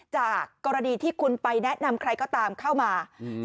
จากกรณีที่คุณไปแนะนำใครก็ตามเข้ามาอืม